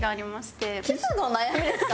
キスの悩みですか？